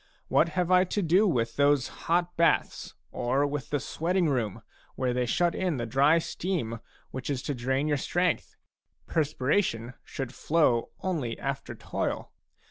What have I to do with those hot baths or with the sweating room where they shut in the dry steam which is to drain your strength ? Perspiration should flow only after toil.